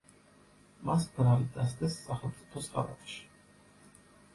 მას ბრალი დასდეს სახელმწიფოს ღალატში.